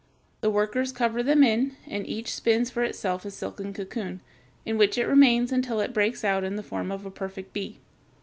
The workers cover them in, and each spins for itself a silken cocoon, in which it remains until it breaks out in the form of a perfect bee.